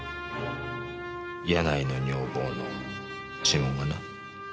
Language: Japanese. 柳井の女房の指紋がな。